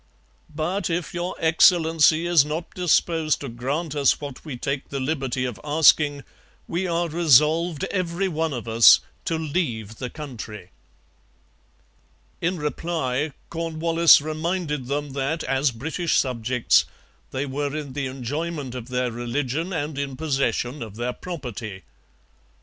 But if Your Excellency is not disposed to grant us what we take the liberty of asking, we are resolved, every one of us, to leave the country.' In reply Cornwallis reminded them that, as British subjects, they were in the enjoyment of their religion and in possession of their property.